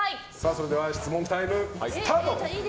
それでは質問タイム、スタート！